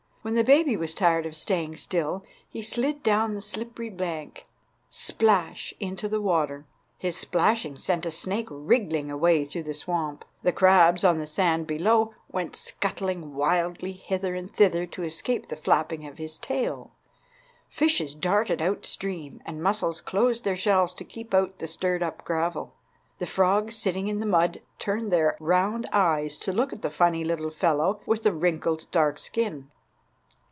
When the baby was tired of staying still he slid down the slippery bank—splash!—into the water. His splashing sent a snake wriggling away through the swamp. The crabs on the sand below went scuttling wildly hither and thither to escape the flapping of his tail. Fishes darted out stream, and mussels closed their shells to keep out the stirred up gravel. The frogs sitting in the mud turned their round eyes to look at the funny little fellow with the wrinkled dark skin.